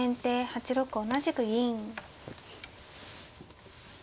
８六同じく銀。